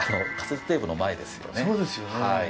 カセットテープの前ですよね。